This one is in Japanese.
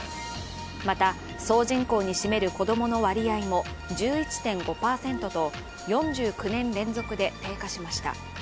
また、総人口に占める子供の割合も１１．５％と４９年連続で低下しました。